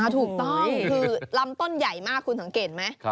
ถูกต้องคือลำต้นใหญ่มากคุณสังเกตไหม